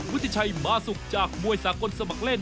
วุฒิชัยมาสุกจากมวยสากลสมัครเล่น